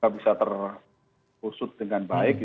bisa terusut dengan baik